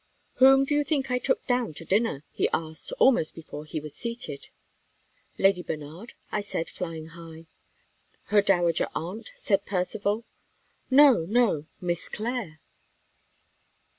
"Whom do you think I took down to dinner?" he asked, almost before he was seated. "Lady Bernard?" I said, flying high. "Her dowager aunt?" said Percivale. "No, no; Miss Clare."